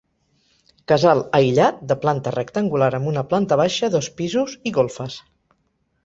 Casal aïllat, de planta rectangular amb una planta baixa, dos pisos i golfes.